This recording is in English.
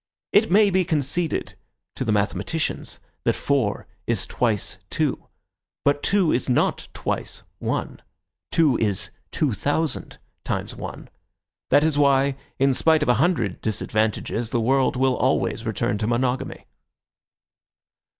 It may be conceded to the mathematicians that four is twice two. But two is not twice one; two is two thousand times one. That is why, in spite of a hundred disadvantages, the world will always return to monogamy.